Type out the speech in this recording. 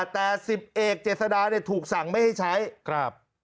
แต่สิบเอกเจษดาเนี่ยถูกสั่งไม่ให้ใช้ครับ